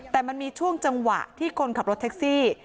แต่มันมีช่วงจังหวะที่คนขับรถแท็กซี่